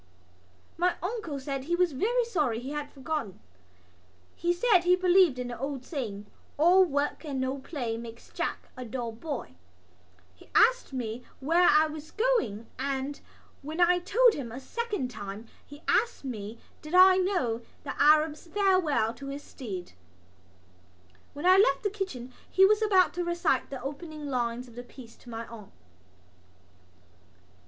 My uncle said he was very sorry he had forgotten. He said he believed in the old saying: "All work and no play makes Jack a dull boy." He asked me where I was going and, when I had told him a second time he asked me did I know The Arab's Farewell to his Steed. When I left the kitchen he was about to recite the opening lines of the piece to my aunt.